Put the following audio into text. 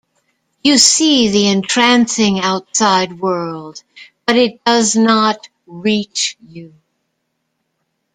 You see the entrancing outside world, but it does not reach you.